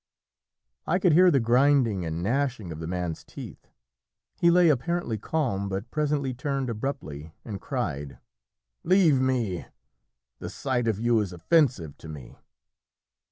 I could hear the grinding and gnashing of the man's teeth. He lay apparently calm, but presently turned abruptly and cried "Leave me; the sight of you is offensive to me!"